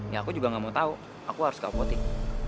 ya aku juga gak mau tahu aku harus ke apotik